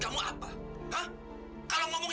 kamu jahat kamu jahat